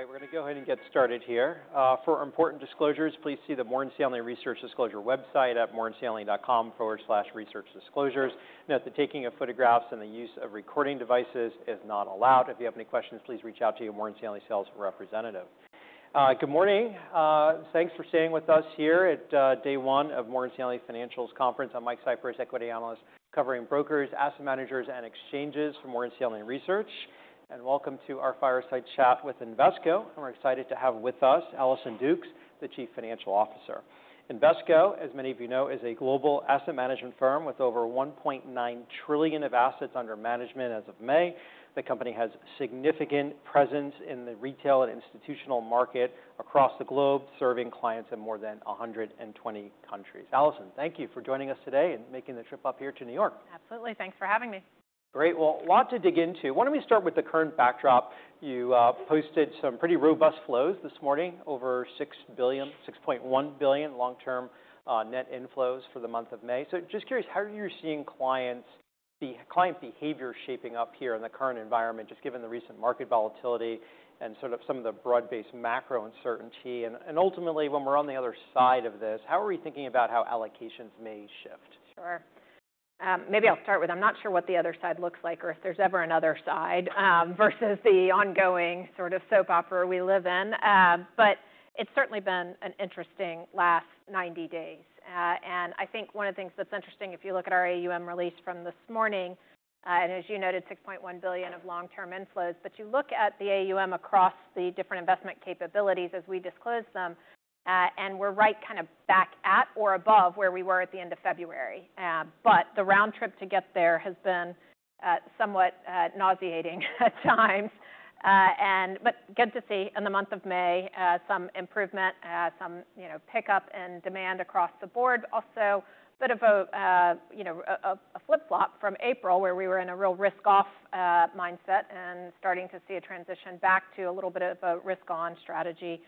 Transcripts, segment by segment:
All right, we're going to go ahead and get started here. For important disclosures, please see the Morgan Stanley Research Disclosure website at morganstanley.com/researchdisclosures. Note that taking photographs and the use of recording devices is not allowed. If you have any questions, please reach out to your Morgan Stanley sales representative. Good morning. Thanks for staying with us here at day one of the Morgan Stanley Financials Conference. I'm Mike Cypress, equity analyst covering brokers, asset managers, and exchanges for Morgan Stanley Research. Welcome to our fireside chat with Invesco. We're excited to have with us Allison Dukes, the Chief Financial Officer. Invesco, as many of you know, is a global asset management firm with over $1.9 trillion of assets under management as of May. The company has a significant presence in the retail and institutional market across the globe, serving clients in more than 120 countries. Allison, thank you for joining us today and making the trip up here to New York. Absolutely. Thanks for having me. Great. A lot to dig into. Why don't we start with the current backdrop? You posted some pretty robust flows this morning, over $6 billion, $6.1 billion long-term net inflows for the month of May. Just curious, how are you seeing client behavior shaping up here in the current environment, just given the recent market volatility and sort of some of the broad-based macro uncertainty? Ultimately, when we're on the other side of this, how are we thinking about how allocations may shift? Sure. Maybe I'll start with I'm not sure what the other side looks like or if there's ever another side versus the ongoing sort of soap opera we live in. It has certainly been an interesting last 90 days. I think one of the things that's interesting, if you look at our AUM release from this morning, and as you noted, $6.1 billion of long-term inflows. If you look at the AUM across the different investment capabilities as we disclose them, we're right kind of back at or above where we were at the end of February. The round trip to get there has been somewhat nauseating at times. Good to see in the month of May, some improvement, some pickup in demand across the board. Also, a bit of a flip-flop from April, where we were in a real risk-off mindset and starting to see a transition back to a little bit of a risk-on strategy.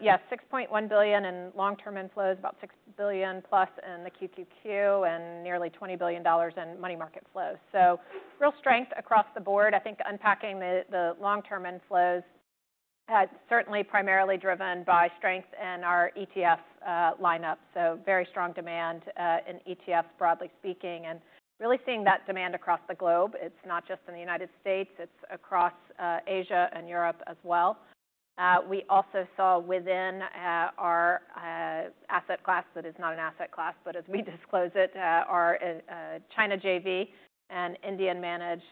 Yes, $6.1 billion in long-term inflows, about $6 billion-plus in the QQQ, and nearly $20 billion in money market flows. Real strength across the board. I think unpacking the long-term inflows, certainly primarily driven by strength in our ETF lineup. Very strong demand in ETFs, broadly speaking, and really seeing that demand across the globe. It's not just in the United States. It's across Asia and Europe as well. We also saw within our asset class that is not an asset class, but as we disclose it, our China JV and Indian-managed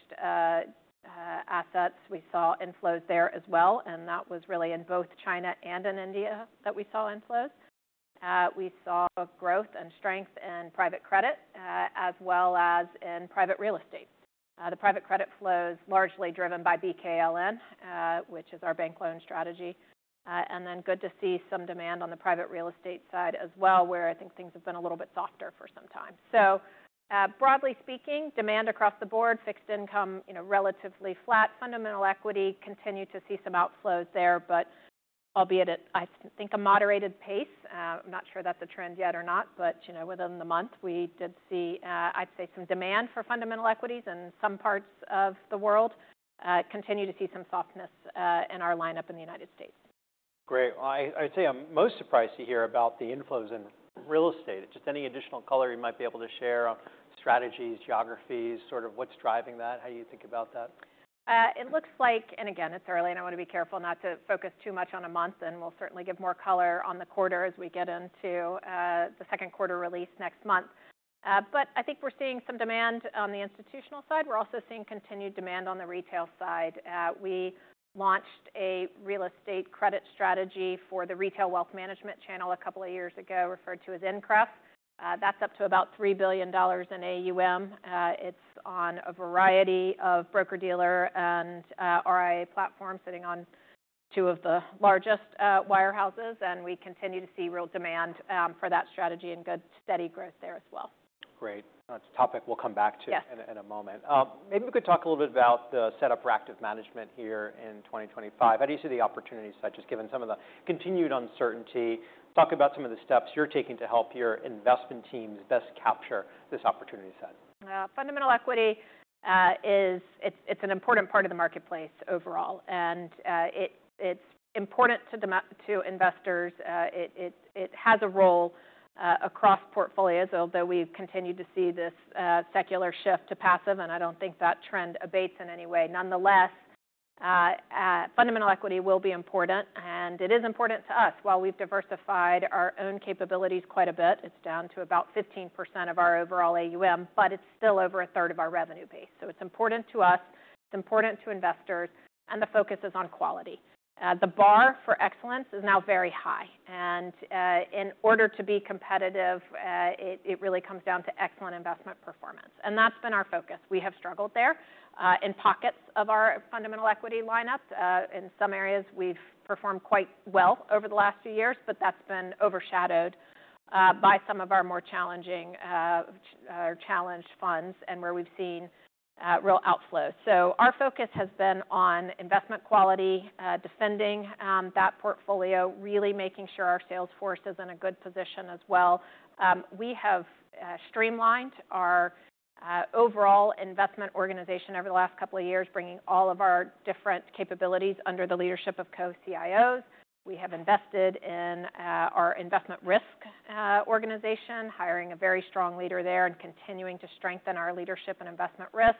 assets, we saw inflows there as well. That was really in both China and in India that we saw inflows. We saw growth and strength in private credit, as well as in private real estate. The private credit flow is largely driven by BKLN, which is our bank loan strategy. It is good to see some demand on the private real estate side as well, where I think things have been a little bit softer for some time. Broadly speaking, demand across the board, fixed income relatively flat. Fundamental equity continued to see some outflows there, but albeit at, I think, a moderated pace. I'm not sure that's a trend yet or not, but within the month, we did see, I'd say, some demand for fundamental equities in some parts of the world. Continue to see some softness in our lineup in the United States. Great. I'd say I'm most surprised to hear about the inflows in real estate. Just any additional color you might be able to share on strategies, geographies, sort of what's driving that? How do you think about that? It looks like, and again, it's early, and I want to be careful not to focus too much on a month, and we'll certainly give more color on the quarter as we get into the second quarter release next month. I think we're seeing some demand on the institutional side. We're also seeing continued demand on the retail side. We launched a real estate credit strategy for the retail wealth management channel a couple of years ago, referred to as Increff. That's up to about $3 billion in AUM. It's on a variety of broker-dealer and RIA platforms, sitting on two of the largest wirehouses. We continue to see real demand for that strategy and good steady growth there as well. Great. That is a topic we will come back to in a moment. Maybe we could talk a little bit about the setup for active management here in 2025. How do you see the opportunity side, just given some of the continued uncertainty? Talk about some of the steps you are taking to help your investment teams best capture this opportunity side. Fundamental equity is an important part of the marketplace overall. It is important to investors. It has a role across portfolios, although we've continued to see this secular shift to passive. I do not think that trend abates in any way. Nonetheless, fundamental equity will be important. It is important to us. While we've diversified our own capabilities quite a bit, it is down to about 15% of our overall AUM, but it is still over a third of our revenue base. It is important to us. It is important to investors. The focus is on quality. The bar for excellence is now very high. In order to be competitive, it really comes down to excellent investment performance. That has been our focus. We have struggled there in pockets of our fundamental equity lineup. In some areas, we've performed quite well over the last few years, but that's been overshadowed by some of our more challenging or challenged funds and where we've seen real outflows. Our focus has been on investment quality, defending that portfolio, really making sure our sales force is in a good position as well. We have streamlined our overall investment organization over the last couple of years, bringing all of our different capabilities under the leadership of co-CIOs. We have invested in our investment risk organization, hiring a very strong leader there and continuing to strengthen our leadership and investment risk,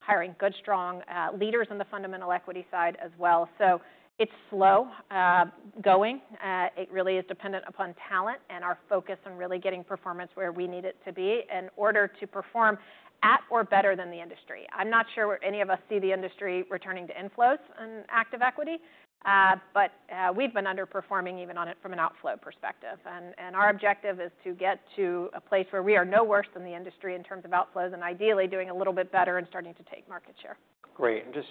hiring good, strong leaders on the fundamental equity side as well. It is slow going. It really is dependent upon talent and our focus on really getting performance where we need it to be in order to perform at or better than the industry. I'm not sure any of us see the industry returning to inflows in active equity, but we've been underperforming even on it from an outflow perspective. Our objective is to get to a place where we are no worse than the industry in terms of outflows and ideally doing a little bit better and starting to take market share. Great. Just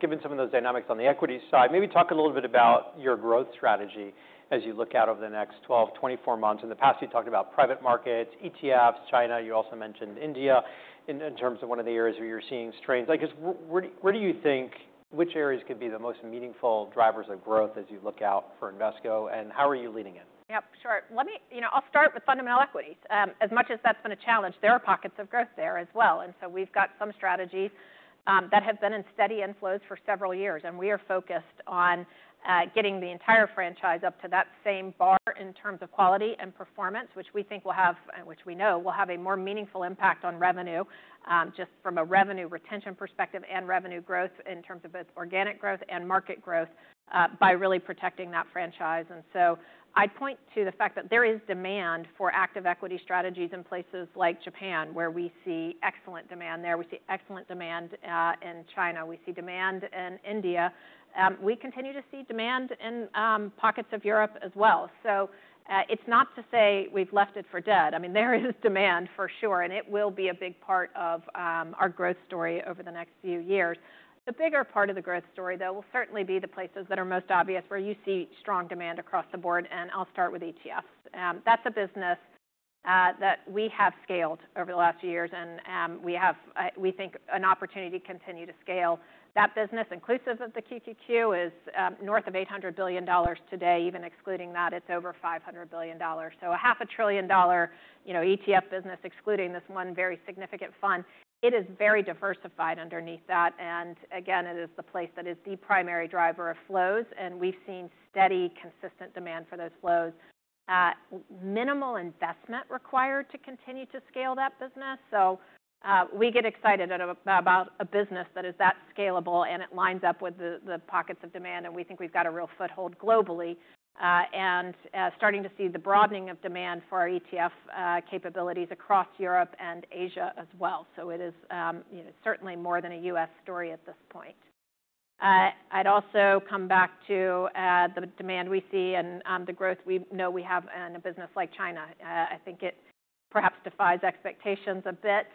given some of those dynamics on the equity side, maybe talk a little bit about your growth strategy as you look out over the next 12 months-24 months. In the past, you talked about private markets, ETFs, China. You also mentioned India in terms of one of the areas where you're seeing strains. I guess, where do you think which areas could be the most meaningful drivers of growth as you look out for Invesco? How are you leading it? Yep, sure. I'll start with fundamental equities. As much as that's been a challenge, there are pockets of growth there as well. We've got some strategies that have been in steady inflows for several years. We are focused on getting the entire franchise up to that same bar in terms of quality and performance, which we think will have, which we know will have a more meaningful impact on revenue just from a revenue retention perspective and revenue growth in terms of both organic growth and market growth by really protecting that franchise. I'd point to the fact that there is demand for active equity strategies in places like Japan, where we see excellent demand there. We see excellent demand in China. We see demand in India. We continue to see demand in pockets of Europe as well. It is not to say we have left it for dead. I mean, there is demand for sure. It will be a big part of our growth story over the next few years. The bigger part of the growth story, though, will certainly be the places that are most obvious where you see strong demand across the board. I will start with ETFs. That is a business that we have scaled over the last few years. We have, we think, an opportunity to continue to scale that business. Inclusive of the QQQ is north of $800 billion today. Even excluding that, it is over $500 billion. A half a trillion dollar ETF business, excluding this one very significant fund, it is very diversified underneath that. Again, it is the place that is the primary driver of flows. We have seen steady, consistent demand for those flows. Minimal investment required to continue to scale that business. We get excited about a business that is that scalable, and it lines up with the pockets of demand. We think we've got a real foothold globally and starting to see the broadening of demand for our ETF capabilities across Europe and Asia as well. It is certainly more than a U.S. story at this point. I'd also come back to the demand we see and the growth we know we have in a business like China. I think it perhaps defies expectations a bit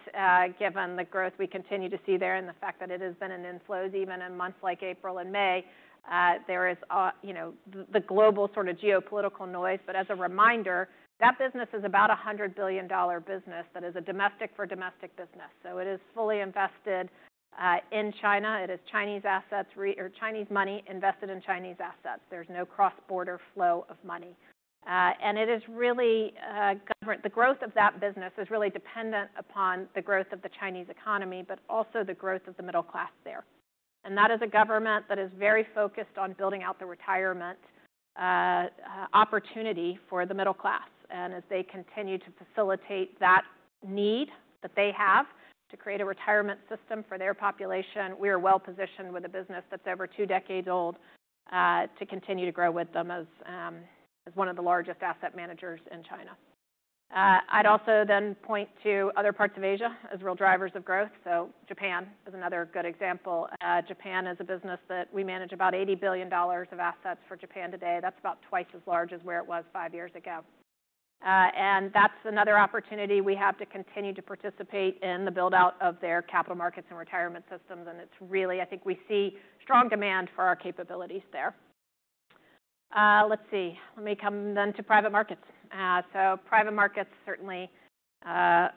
given the growth we continue to see there and the fact that it has been in inflows even in months like April and May. There is the global sort of geopolitical noise. As a reminder, that business is about a $100 billion business that is a domestic-for-domestic business. It is fully invested in China. It is Chinese assets or Chinese money invested in Chinese assets. There is no cross-border flow of money. It is really the growth of that business that is really dependent upon the growth of the Chinese economy, but also the growth of the middle class there. That is a government that is very focused on building out the retirement opportunity for the middle class. As they continue to facilitate that need that they have to create a retirement system for their population, we are well positioned with a business that is over two decades old to continue to grow with them as one of the largest asset managers in China. I would also then point to other parts of Asia as real drivers of growth. Japan is another good example. Japan is a business that we manage about $80 billion of assets for Japan today. That is about twice as large as where it was five years ago. That is another opportunity we have to continue to participate in the build-out of their capital markets and retirement systems. It is really, I think we see strong demand for our capabilities there. Let me come then to private markets. Private markets, certainly a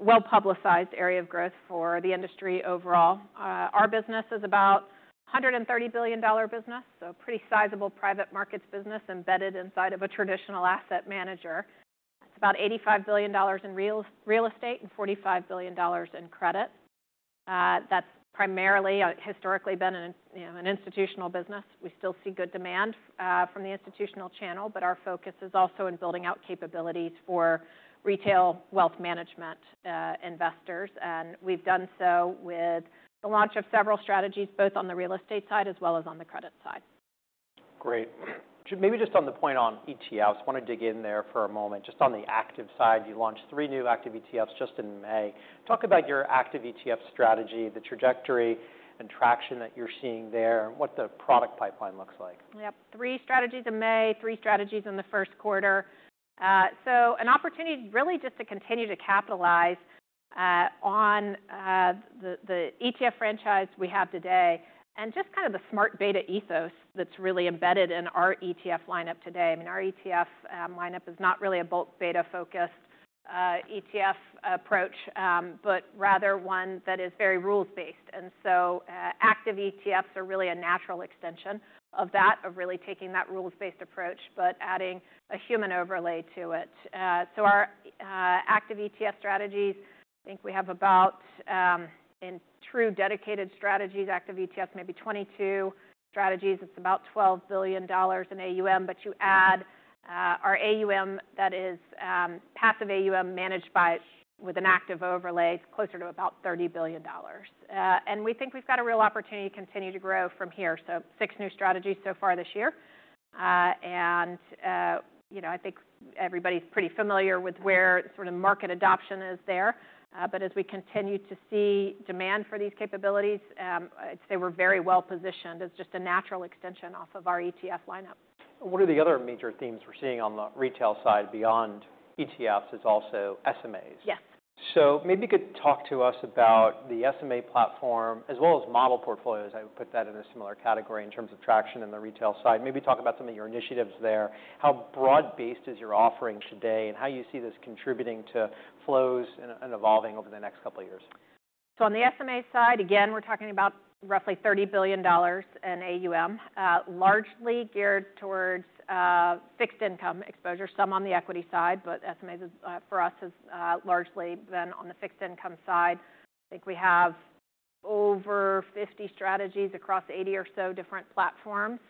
well-publicized area of growth for the industry overall. Our business is about a $130 billion business, so a pretty sizable private markets business embedded inside of a traditional asset manager. It is about $85 billion in real estate and $45 billion in credit. That has primarily historically been an institutional business. We still see good demand from the institutional channel, but our focus is also in building out capabilities for retail wealth management investors. We have done so with the launch of several strategies, both on the real estate side as well as on the credit side. Great. Maybe just on the point on ETFs, I want to dig in there for a moment. Just on the active side, you launched three new active ETFs just in May. Talk about your active ETF strategy, the trajectory and traction that you're seeing there, and what the product pipeline looks like. Yep. Three strategies in May, three strategies in the first quarter. An opportunity really just to continue to capitalize on the ETF franchise we have today and just kind of the smart beta ethos that's really embedded in our ETF lineup today. I mean, our ETF lineup is not really a bolt beta-focused ETF approach, but rather one that is very rules-based. Active ETFs are really a natural extension of that, of really taking that rules-based approach, but adding a human overlay to it. Our active ETF strategies, I think we have about, in true dedicated strategies, active ETFs, maybe 22 strategies. It is about $12 billion in AUM. You add our AUM that is passive AUM managed with an active overlay, closer to about $30 billion. We think we have got a real opportunity to continue to grow from here. Six new strategies so far this year. I think everybody's pretty familiar with where sort of market adoption is there. As we continue to see demand for these capabilities, I'd say we're very well positioned as just a natural extension off of our ETF lineup. What are the other major themes we're seeing on the retail side beyond ETFs? It's also SMAs. Yes. Maybe you could talk to us about the SMA platform as well as model portfolios. I would put that in a similar category in terms of traction in the retail side. Maybe talk about some of your initiatives there. How broad-based is your offering today and how you see this contributing to flows and evolving over the next couple of years? On the SMA side, again, we're talking about roughly $30 billion in AUM, largely geared towards fixed income exposure, some on the equity side, but SMAs for us have largely been on the fixed income side. I think we have over 50 strategies across 80 or so different platforms.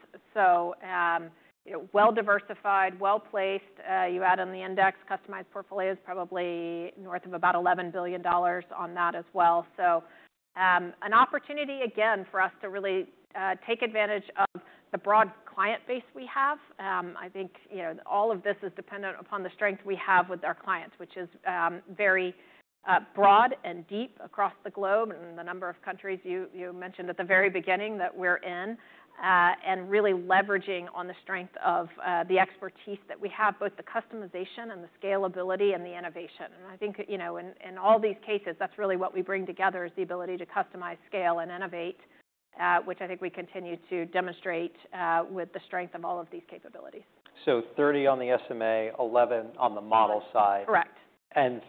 Well-diversified, well-placed. You add on the index customized portfolios, probably north of about $11 billion on that as well. An opportunity, again, for us to really take advantage of the broad client base we have. I think all of this is dependent upon the strength we have with our clients, which is very broad and deep across the globe and the number of countries you mentioned at the very beginning that we're in and really leveraging on the strength of the expertise that we have, both the customization and the scalability and the innovation. I think in all these cases, that's really what we bring together is the ability to customize, scale, and innovate, which I think we continue to demonstrate with the strength of all of these capabilities. Thirty on the SMA, eleven on the model side. Correct.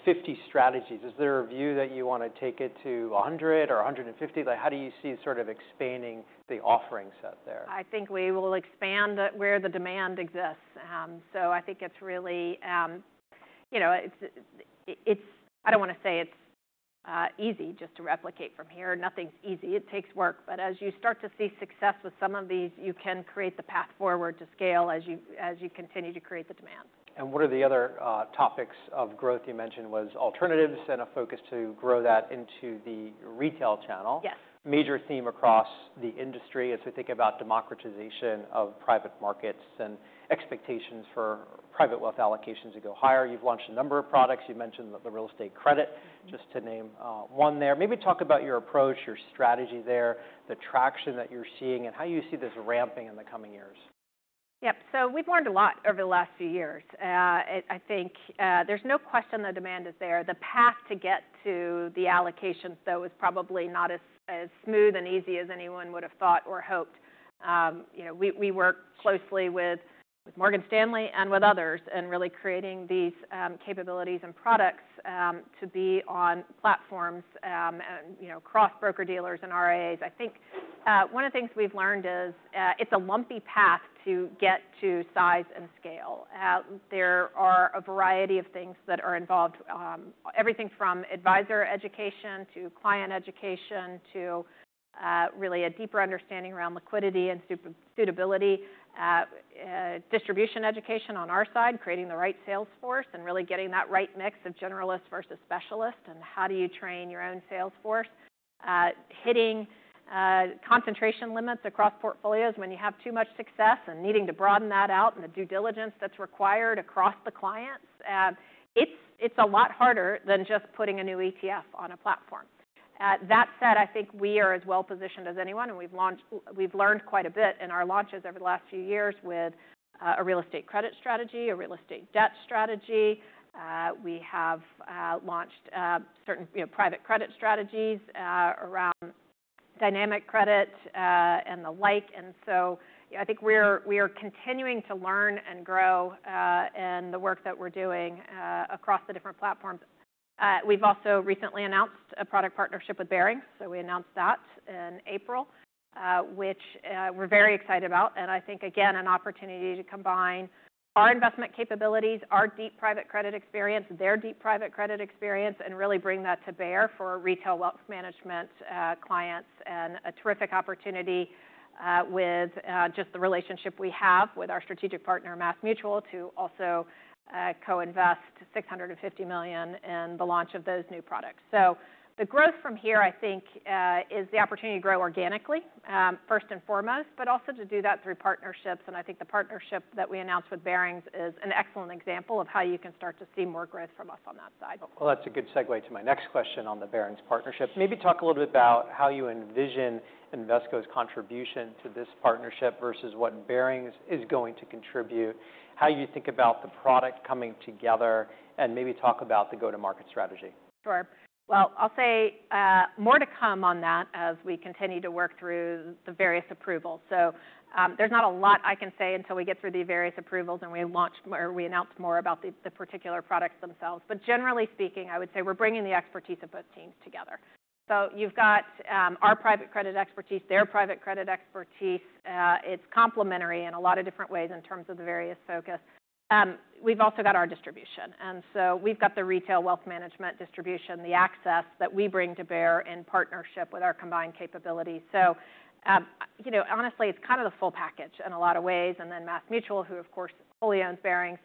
Fifty strategies. Is there a view that you want to take it to 100 or 150? How do you see sort of expanding the offering set there? I think we will expand where the demand exists. I think it's really, I don't want to say it's easy just to replicate from here. Nothing's easy. It takes work. As you start to see success with some of these, you can create the path forward to scale as you continue to create the demand. What are the other topics of growth you mentioned was alternatives and a focus to grow that into the retail channel. Yes. Major theme across the industry as we think about democratization of private markets and expectations for private wealth allocations to go higher. You've launched a number of products. You mentioned the real estate credit, just to name one there. Maybe talk about your approach, your strategy there, the traction that you're seeing, and how you see this ramping in the coming years. Yep. We have learned a lot over the last few years. I think there is no question the demand is there. The path to get to the allocations, though, is probably not as smooth and easy as anyone would have thought or hoped. We work closely with Morgan Stanley and with others in really creating these capabilities and products to be on platforms and cross-broker dealers and RIAs. I think one of the things we have learned is it is a lumpy path to get to size and scale. There are a variety of things that are involved, everything from advisor education to client education to really a deeper understanding around liquidity and suitability, distribution education on our side, creating the right salesforce and really getting that right mix of generalist versus specialist and how do you train your own salesforce, hitting concentration limits across portfolios when you have too much success and needing to broaden that out and the due diligence that is required across the clients. It is a lot harder than just putting a new ETF on a platform. That said, I think we are as well positioned as anyone. We have learned quite a bit in our launches over the last few years with a real estate credit strategy, a real estate debt strategy. We have launched certain private credit strategies around dynamic credit and the like. I think we are continuing to learn and grow in the work that we're doing across the different platforms. We've also recently announced a product partnership with Baring. We announced that in April, which we're very excited about. I think, again, an opportunity to combine our investment capabilities, our deep private credit experience, their deep private credit experience, and really bring that to bear for retail wealth management clients and a terrific opportunity with just the relationship we have with our strategic partner, MassMutual, to also co-invest $650 million in the launch of those new products. The growth from here, I think, is the opportunity to grow organically, first and foremost, but also to do that through partnerships. I think the partnership that we announced with Baring is an excellent example of how you can start to see more growth from us on that side. That's a good segue to my next question on the Baring partnership. Maybe talk a little bit about how you envision Invesco's contribution to this partnership versus what Baring is going to contribute, how you think about the product coming together, and maybe talk about the go-to-market strategy. Sure. I'll say more to come on that as we continue to work through the various approvals. There's not a lot I can say until we get through the various approvals and we announce more about the particular products themselves. Generally speaking, I would say we're bringing the expertise of both teams together. You've got our private credit expertise, their private credit expertise. It's complementary in a lot of different ways in terms of the various focus. We've also got our distribution. We've got the retail wealth management distribution, the access that we bring to bear in partnership with our combined capability. Honestly, it's kind of the full package in a lot of ways. MassMutual, who of course fully owns Baring,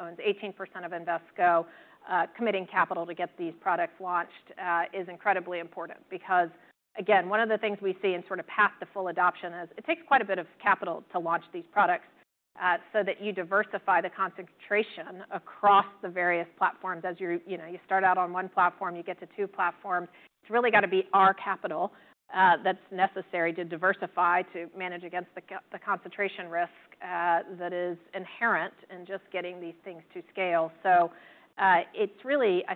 owns 18% of Invesco, committing capital to get these products launched is incredibly important because, again, one of the things we see in sort of past the full adoption is it takes quite a bit of capital to launch these products so that you diversify the concentration across the various platforms. As you start out on one platform, you get to two platforms. It's really got to be our capital that's necessary to diversify to manage against the concentration risk that is inherent in just getting these things to scale. I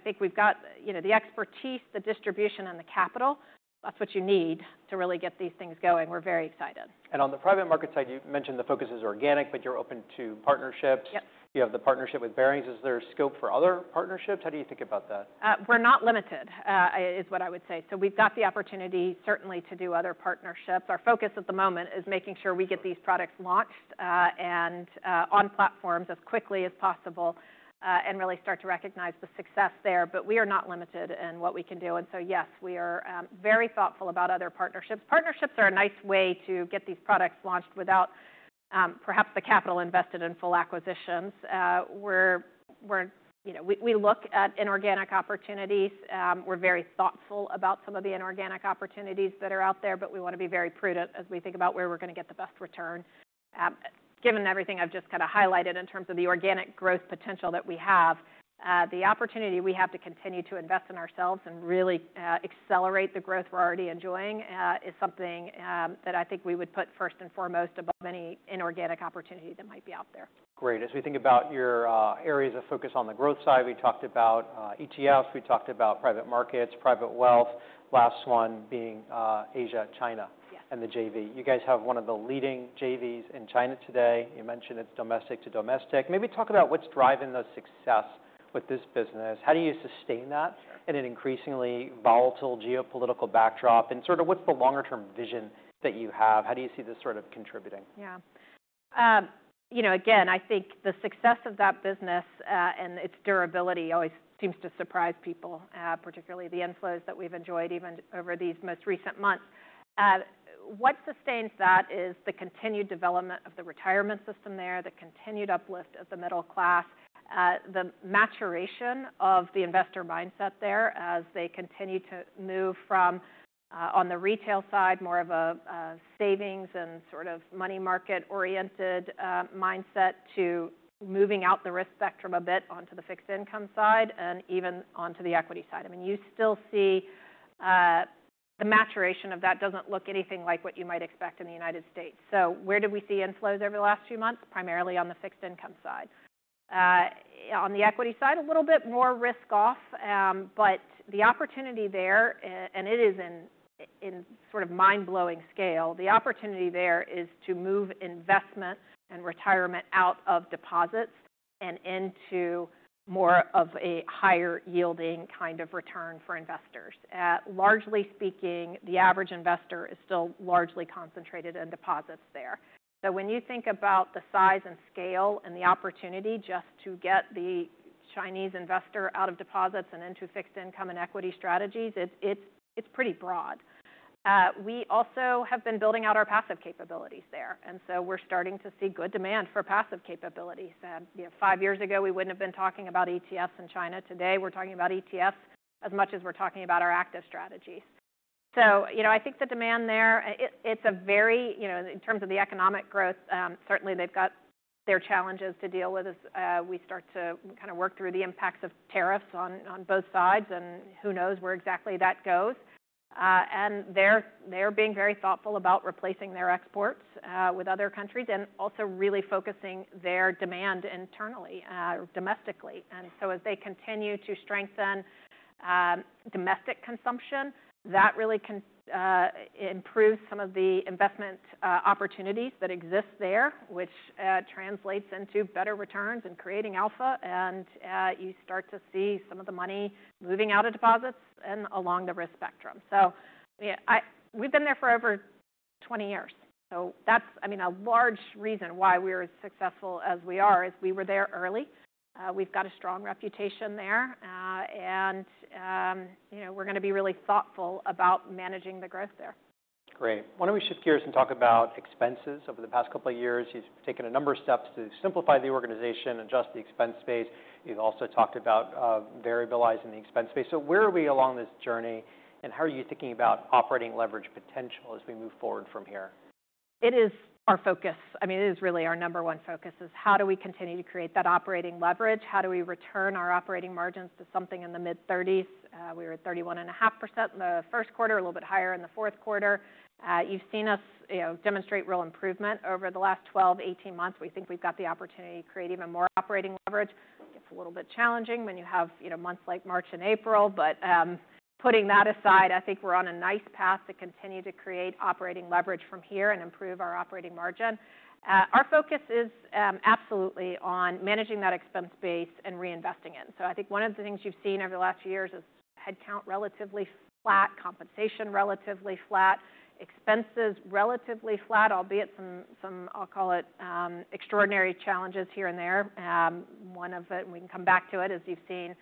think we've got the expertise, the distribution, and the capital. That's what you need to really get these things going. We're very excited. On the private market side, you mentioned the focus is organic, but you're open to partnerships. Yes. You have the partnership with Baring. Is there scope for other partnerships? How do you think about that? We're not limited is what I would say. We have the opportunity certainly to do other partnerships. Our focus at the moment is making sure we get these products launched and on platforms as quickly as possible and really start to recognize the success there. We are not limited in what we can do. Yes, we are very thoughtful about other partnerships. Partnerships are a nice way to get these products launched without perhaps the capital invested in full acquisitions. We look at inorganic opportunities. We are very thoughtful about some of the inorganic opportunities that are out there, but we want to be very prudent as we think about where we're going to get the best return. Given everything I've just kind of highlighted in terms of the organic growth potential that we have, the opportunity we have to continue to invest in ourselves and really accelerate the growth we're already enjoying is something that I think we would put first and foremost above any inorganic opportunity that might be out there. Great. As we think about your areas of focus on the growth side, we talked about ETFs. We talked about private markets, private wealth, last one being Asia, China, and the JV. You guys have one of the leading JVs in China today. You mentioned it's domestic to domestic. Maybe talk about what's driving the success with this business. How do you sustain that in an increasingly volatile geopolitical backdrop? What is the longer-term vision that you have? How do you see this sort of contributing? Yeah. Again, I think the success of that business and its durability always seems to surprise people, particularly the inflows that we've enjoyed even over these most recent months. What sustains that is the continued development of the retirement system there, the continued uplift of the middle class, the maturation of the investor mindset there as they continue to move from, on the retail side, more of a savings and sort of money market-oriented mindset to moving out the risk spectrum a bit onto the fixed income side and even onto the equity side. I mean, you still see the maturation of that does not look anything like what you might expect in the United States. Where did we see inflows over the last few months? Primarily on the fixed income side. On the equity side, a little bit more risk-off, but the opportunity there, and it is in sort of mind-blowing scale, the opportunity there is to move investment and retirement out of deposits and into more of a higher-yielding kind of return for investors. Largely speaking, the average investor is still largely concentrated in deposits there. When you think about the size and scale and the opportunity just to get the Chinese investor out of deposits and into fixed income and equity strategies, it is pretty broad. We also have been building out our passive capabilities there. We are starting to see good demand for passive capabilities. Five years ago, we would not have been talking about ETFs in China. Today, we are talking about ETFs as much as we are talking about our active strategies. I think the demand there, it's a very, in terms of the economic growth, certainly they've got their challenges to deal with as we start to kind of work through the impacts of tariffs on both sides. Who knows where exactly that goes. They're being very thoughtful about replacing their exports with other countries and also really focusing their demand internally, domestically. As they continue to strengthen domestic consumption, that really improves some of the investment opportunities that exist there, which translates into better returns and creating Alpha. You start to see some of the money moving out of deposits and along the risk spectrum. We've been there for over 20 years. That's, I mean, a large reason why we are as successful as we are is we were there early. We've got a strong reputation there. We're going to be really thoughtful about managing the growth there. Great. Why don't we shift gears and talk about expenses over the past couple of years? You've taken a number of steps to simplify the organization, adjust the expense base. You've also talked about variabilizing the expense base. Where are we along this journey? How are you thinking about operating leverage potential as we move forward from here? It is our focus. I mean, it is really our number one focus is how do we continue to create that operating leverage? How do we return our operating margins to something in the mid-30s? We were at 31.5% in the first quarter, a little bit higher in the fourth quarter. You've seen us demonstrate real improvement over the last 12 months, 18 months. We think we've got the opportunity to create even more operating leverage. It gets a little bit challenging when you have months like March and April. Putting that aside, I think we're on a nice path to continue to create operating leverage from here and improve our operating margin. Our focus is absolutely on managing that expense base and reinvesting it. I think one of the things you've seen over the last few years is headcount relatively flat, compensation relatively flat, expenses relatively flat, albeit some, I'll call it extraordinary challenges here and there. One of it, and we can come back to it, as you've seen,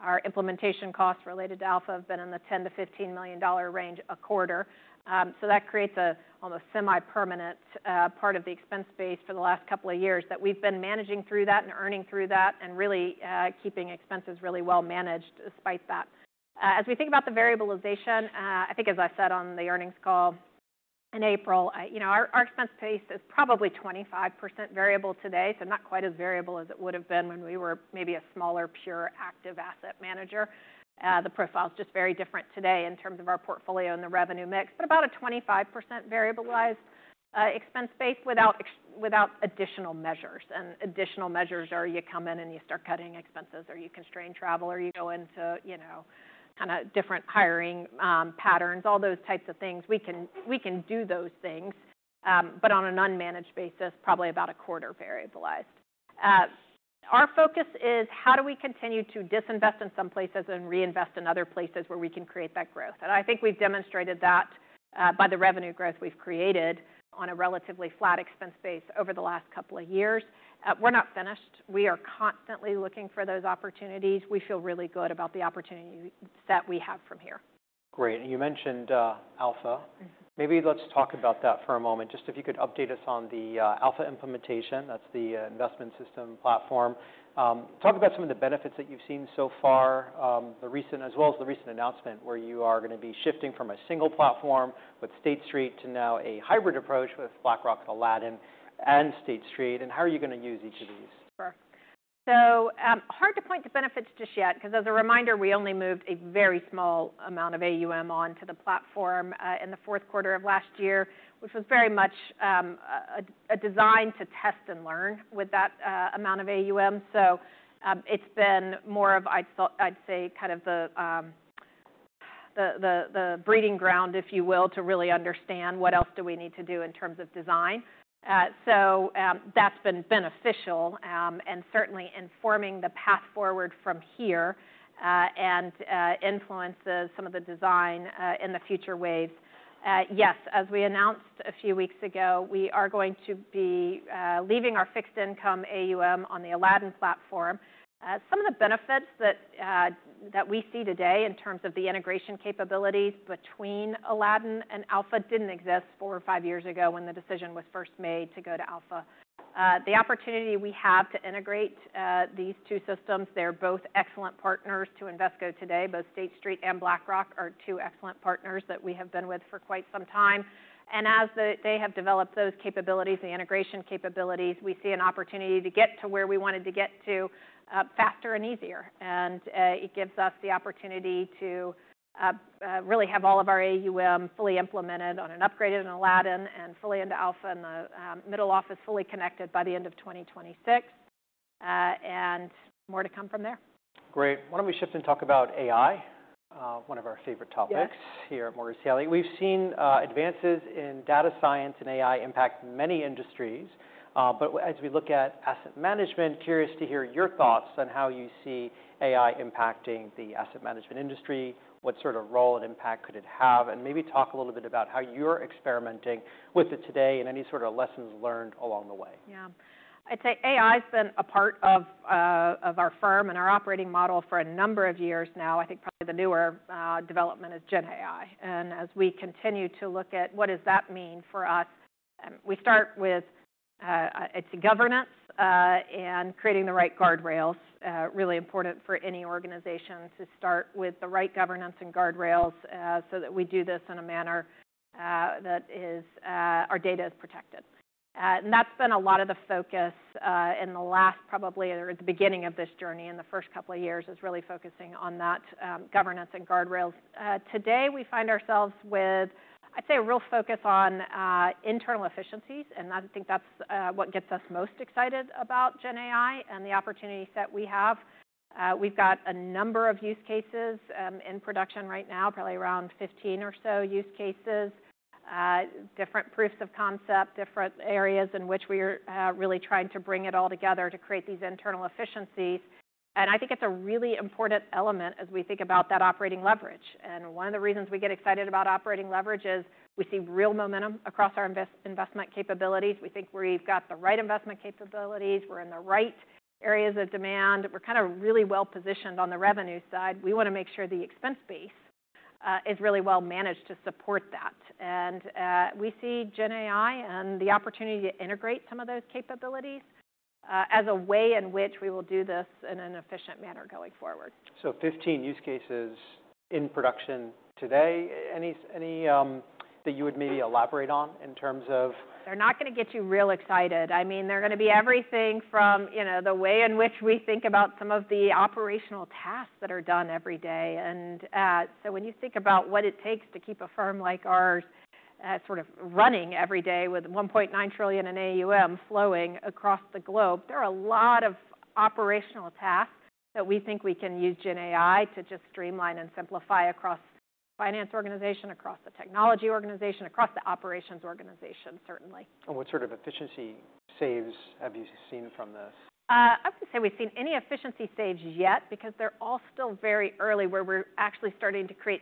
our implementation costs related to Alpha have been in the $10 million-$15 million range a quarter. That creates an almost semi-permanent part of the expense base for the last couple of years that we've been managing through that and earning through that and really keeping expenses really well managed despite that. As we think about the variabilization, I think, as I said on the earnings call in April, our expense base is probably 25% variable today, so not quite as variable as it would have been when we were maybe a smaller pure active asset manager. The profile is just very different today in terms of our portfolio and the revenue mix, but about a 25% variabilized expense base without additional measures. Additional measures are you come in and you start cutting expenses or you constrain travel or you go into kind of different hiring patterns, all those types of things. We can do those things, but on an unmanaged basis, probably about a quarter variabilized. Our focus is how do we continue to disinvest in some places and reinvest in other places where we can create that growth. I think we've demonstrated that by the revenue growth we've created on a relatively flat expense base over the last couple of years. We're not finished. We are constantly looking for those opportunities. We feel really good about the opportunity set we have from here. Great. You mentioned Alpha. Maybe let's talk about that for a moment. Just if you could update us on the Alpha implementation, that's the investment system platform. Talk about some of the benefits that you've seen so far, as well as the recent announcement where you are going to be shifting from a single platform with State Street to now a hybrid approach with BlackRock, Aladdin, and State Street. How are you going to use each of these? Sure. So hard to point to benefits just yet because, as a reminder, we only moved a very small amount of AUM onto the platform in the fourth quarter of last year, which was very much designed to test and learn with that amount of AUM. It has been more of, I'd say, kind of the breeding ground, if you will, to really understand what else do we need to do in terms of design. That has been beneficial and certainly informing the path forward from here and influences some of the design in the future waves. Yes, as we announced a few weeks ago, we are going to be leaving our fixed income AUM on the Aladdin platform. Some of the benefits that we see today in terms of the integration capabilities between Aladdin and Alpha did not exist four or five years ago when the decision was first made to go to Alpha. The opportunity we have to integrate these two systems, they are both excellent partners to Invesco today. Both State Street and BlackRock are two excellent partners that we have been with for quite some time. As they have developed those capabilities, the integration capabilities, we see an opportunity to get to where we wanted to get to faster and easier. It gives us the opportunity to really have all of our AUM fully implemented on an upgraded Aladdin and fully into Alpha and the middle office fully connected by the end of 2026. More to come from there. Great. Why do not we shift and talk about AI, one of our favorite topics here at Morris Kelley. We have seen advances in data science and AI impact many industries. As we look at asset management, curious to hear your thoughts on how you see AI impacting the asset management industry, what sort of role and impact could it have, and maybe talk a little bit about how you are experimenting with it today and any sort of lessons learned along the way. Yeah. I'd say AI has been a part of our firm and our operating model for a number of years now. I think probably the newer development is Gen AI. As we continue to look at what does that mean for us, we start with, I'd say, governance and creating the right guardrails, really important for any organization to start with the right governance and guardrails so that we do this in a manner that our data is protected. That's been a lot of the focus in the last, probably at the beginning of this journey in the first couple of years is really focusing on that governance and guardrails. Today, we find ourselves with, I'd say, a real focus on internal efficiencies. I think that's what gets us most excited about Gen AI and the opportunities that we have. We've got a number of use cases in production right now, probably around 15 or so use cases, different proofs of concept, different areas in which we are really trying to bring it all together to create these internal efficiencies. I think it's a really important element as we think about that operating leverage. One of the reasons we get excited about operating leverage is we see real momentum across our investment capabilities. We think we've got the right investment capabilities. We're in the right areas of demand. We're kind of really well positioned on the revenue side. We want to make sure the expense base is really well managed to support that. We see Gen AI and the opportunity to integrate some of those capabilities as a way in which we will do this in an efficient manner going forward. Fifteen use cases in production today. Any that you would maybe elaborate on in terms of? They're not going to get you real excited. I mean, they're going to be everything from the way in which we think about some of the operational tasks that are done every day. When you think about what it takes to keep a firm like ours sort of running every day with $1.9 trillion in AUM flowing across the globe, there are a lot of operational tasks that we think we can use Gen AI to just streamline and simplify across the finance organization, across the technology organization, across the operations organization, certainly. What sort of efficiency saves have you seen from this? I wouldn't say we've seen any efficiency saves yet because they're all still very early where we're actually starting to create.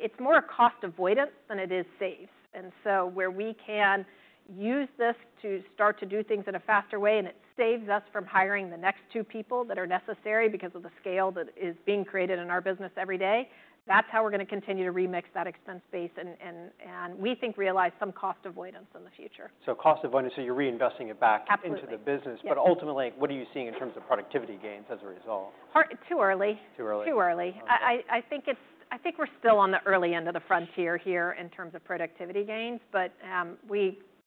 It's more a cost avoidance than it is saves. Where we can use this to start to do things in a faster way and it saves us from hiring the next two people that are necessary because of the scale that is being created in our business every day, that's how we're going to continue to remix that expense base. We think realize some cost avoidance in the future. Cost avoidance, so you're reinvesting it back into the business. Absolutely. Ultimately, what are you seeing in terms of productivity gains as a result? Too early. Too early. Too early. I think we're still on the early end of the frontier here in terms of productivity gains, but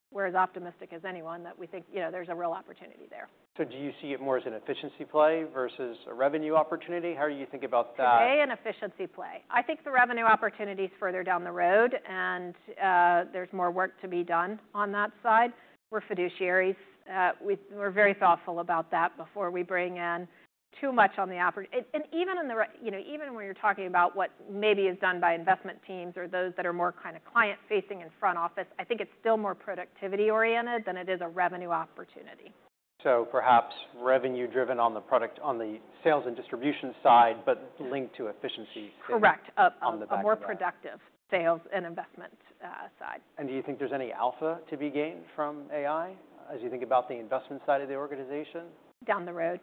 we're as optimistic as anyone that we think there's a real opportunity there. Do you see it more as an efficiency play versus a revenue opportunity? How do you think about that? Today, an efficiency play. I think the revenue opportunity is further down the road and there's more work to be done on that side. We're fiduciaries. We're very thoughtful about that before we bring in too much on the opportunity. Even when you're talking about what maybe is done by investment teams or those that are more kind of client-facing and front office, I think it's still more productivity-oriented than it is a revenue opportunity. Perhaps revenue-driven on the sales and distribution side, but linked to efficiency on the back end. Correct. A more productive sales and investment side. Do you think there's any Alpha to be gained from AI as you think about the investment side of the organization? Down the road.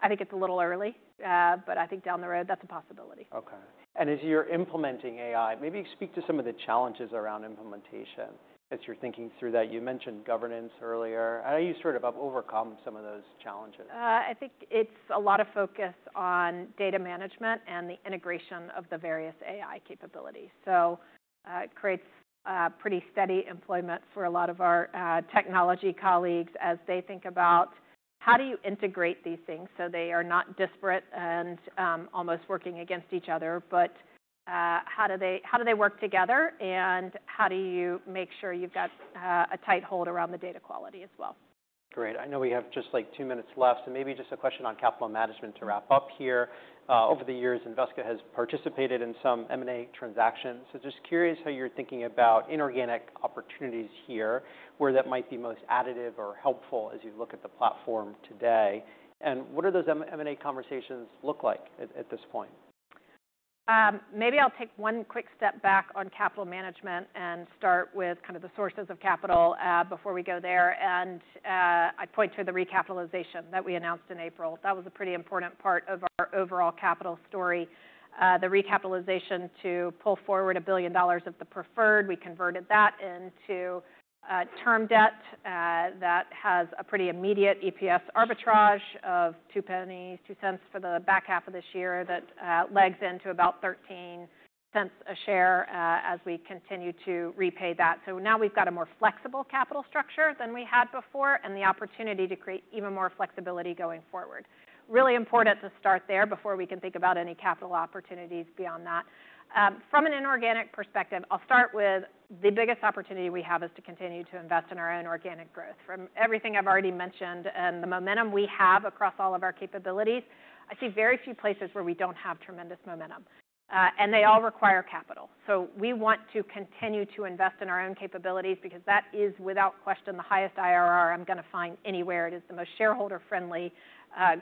I think it's a little early, but I think down the road, that's a possibility. Okay. As you're implementing AI, maybe speak to some of the challenges around implementation as you're thinking through that. You mentioned governance earlier. How do you sort of overcome some of those challenges? I think it's a lot of focus on data management and the integration of the various AI capabilities. It creates pretty steady employment for a lot of our technology colleagues as they think about how do you integrate these things so they are not disparate and almost working against each other, but how do they work together and how do you make sure you've got a tight hold around the data quality as well? Great. I know we have just like two minutes left. Maybe just a question on capital management to wrap up here. Over the years, Invesco has participated in some M&A transactions. Just curious how you're thinking about inorganic opportunities here where that might be most additive or helpful as you look at the platform today. What do those M&A conversations look like at this point? Maybe I'll take one quick step back on capital management and start with kind of the sources of capital before we go there. I'd point to the recapitalization that we announced in April. That was a pretty important part of our overall capital story. The recapitalization to pull forward $1 billion of the preferred. We converted that into term debt that has a pretty immediate EPS arbitrage of $0.02 for the back half of this year that legs into about $0.13 a share as we continue to repay that. Now we've got a more flexible capital structure than we had before and the opportunity to create even more flexibility going forward. Really important to start there before we can think about any capital opportunities beyond that. From an inorganic perspective, I'll start with the biggest opportunity we have is to continue to invest in our own organic growth. From everything I've already mentioned and the momentum we have across all of our capabilities, I see very few places where we don't have tremendous momentum. They all require capital. We want to continue to invest in our own capabilities because that is, without question, the highest IRR I'm going to find anywhere. It is the most shareholder-friendly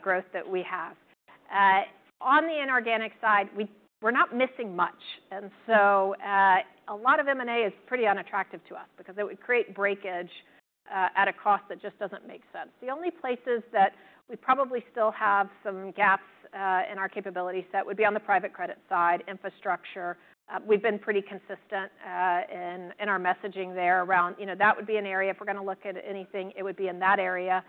growth that we have. On the inorganic side, we're not missing much. A lot of M&A is pretty unattractive to us because it would create breakage at a cost that just doesn't make sense. The only places that we probably still have some gaps in our capability set would be on the private credit side, infrastructure. We've been pretty consistent in our messaging there around that would be an area if we're going to look at anything, it would be in that area.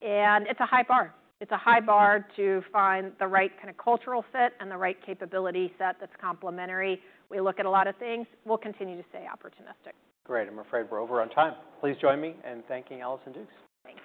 It's a high bar. It's a high bar to find the right kind of cultural fit and the right capability set that's complementary. We look at a lot of things. We'll continue to stay opportunistic. Great. I'm afraid we're over on time. Please join me in thanking Allison Dukes. Thanks.